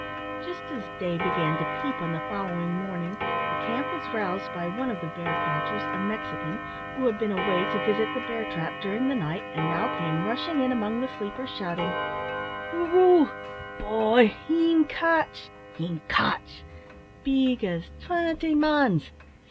Just as day began to peep on the following morning, the camp was roused by one of the bear catchers, a Mexican, who had been away to visit the bear trap during the night, and now came rushing in among the sleepers, shouting "Hoor roo! boy, him cotch, him cotch! big as twinty mans!